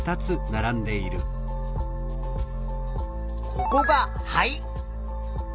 ここが肺。